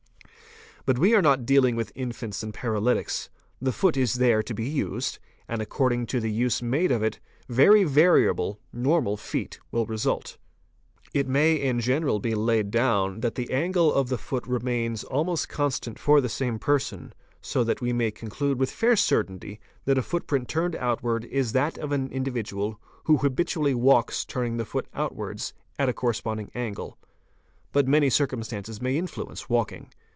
_ But we are not dealing with infants and paralytics, the foot is there to be used, and according to the use made of it very variable "normal " feet will result. at 2 _It may in general be laid down that the angle of the foot remains almost constant for the same person, so that we may conclude with fair certainty that a footprint turned outwards is that of an individual 'who habitually walks turning the foot outwards at a corresponding angle. But many circumstances may influence walking.